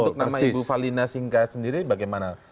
untuk nama ibu fahli nasinka sendiri bagaimana